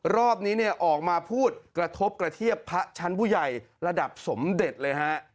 รอบนี้เนี่ยออกมาพูดกระทบกระเทียบพระชั้นผู้ใหญ่ระดับสมเด็จเลยฮะ